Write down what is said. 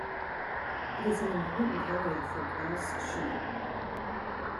It is an important area for grouse shooting.